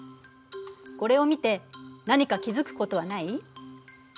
これを見て何か気付くことはない？